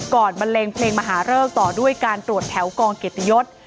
บันเลงเพลงมหาเริกต่อด้วยการตรวจแถวกองเกียรติยศ